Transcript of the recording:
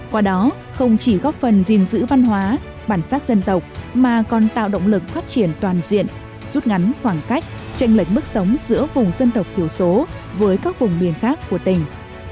qua đó không chỉ góp phần gìn giữ văn hóa bản sắc dân tộc mà còn tạo động lực phát triển toàn diện rút ngắn khoảng cách tranh lệch mức sống giữa vùng dân tộc thiểu số với các vùng biển khác của tỉnh